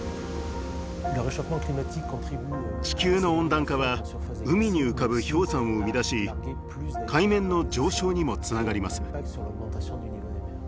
地球の温暖化は海に浮かぶ氷山を生み出し海面の上昇にもつながります。